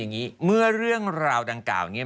วันที่สุดท้าย